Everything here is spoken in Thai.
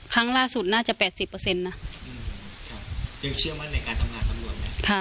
ครั้งล่าสุดน่าจะ๘๐นะ